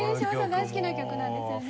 大好きな曲なんですよね。